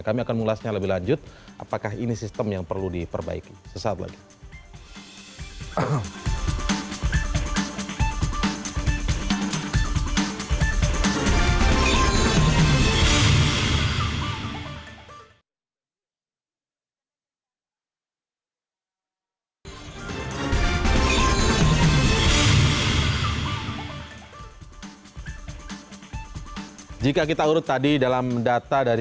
kami akan mengulasnya lebih lanjut apakah ini sistem yang perlu diperbaiki